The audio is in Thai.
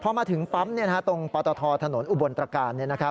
พอมาถึงปั๊มตรงปตทถนนอุบลตรการ